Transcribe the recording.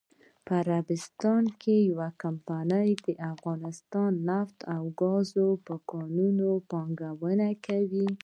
عربستان یوه کمپنی دافغانستان نفت او ګازو په کانونو پانګونه کوي.😱